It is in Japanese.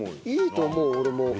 いいと思う俺も。